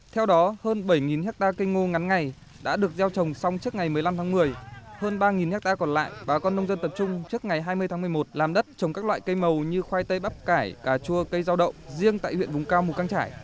theo đó hơn bảy hectare cây ngô ngắn ngày đã được gieo trồng xong trước ngày một mươi năm tháng một mươi hơn ba hectare còn lại bà con nông dân tập trung trước ngày hai mươi tháng một mươi một làm đất trồng các loại cây màu như khoai tây bắp cải cà chua cây giao động riêng tại huyện vùng cao mù căng trải